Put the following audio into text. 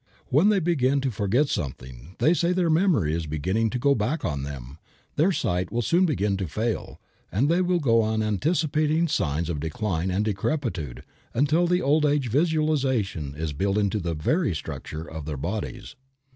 When they happen to forget something, they say their memory is beginning to go back on them, their sight will soon begin to fail, and they go on anticipating signs of decline and decrepitude until the old age visualization is built into the very structure of their bodies.